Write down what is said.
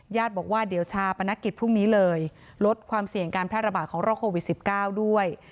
บอกว่าเดี๋ยวชาปนกิจพรุ่งนี้เลยลดความเสี่ยงการแพร่ระบาดของโรคโควิด๑๙ด้วย